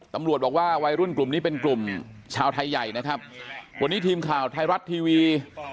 ตำรวจบอกว่าวัยรุ่นกลุ่มนี้เป็นกลุ่มชาวไทยใหญ่นะครับวันนี้ทีมข่าวไทยรัฐทีวี